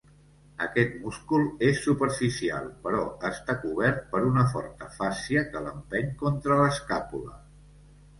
Aquest múscul és superficial però està cobert per una forta fàscia que l'empeny contra l'escàpula.